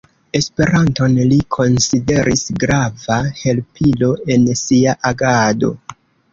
Esperanton li konsideris grava helpilo en sia agado.